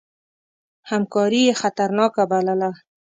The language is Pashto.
همکاري یې خطرناکه بلله.